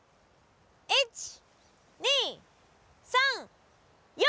１２３４！